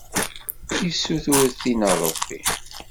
Yessutur tin a Ṛebbi.